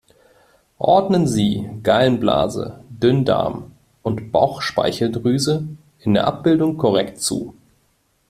Ordnen Sie Gallenblase, Dünndarm und Bauchspeicheldrüse in der Abbildung korrekt zu!